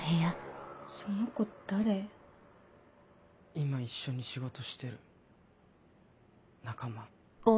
今一緒に仕事してる仲間。